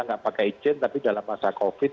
nggak pakai izin tapi dalam masa covid sembilan belas